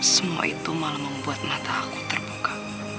semua itu malah membuat mata aku terbuka